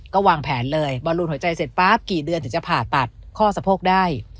ก็วางแผนเลยบอลลูนหัวใจเสร็จป๊าบกี่เดือนถึงจะผ่าตัดข้อสะโพกได้